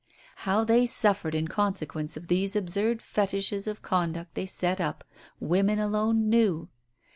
How they suffered in consequence of these absurd fetishes of conduct they set up, women alone knew.